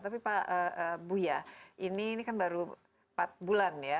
tapi pak buya ini kan baru empat bulan ya